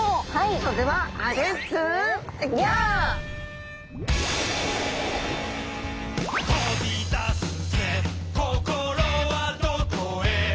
それでは「飛び出すぜ心はどこへ」